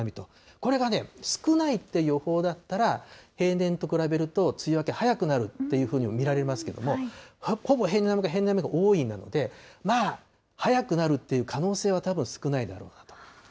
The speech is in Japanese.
これがね、少ないっていう予報だったら、平年と比べると梅雨明け早くなるというふうに見られますけれども、ほぼ平年並みか、平年より多いので、まあ早くなるという可能性はたぶん少ないと思ってます。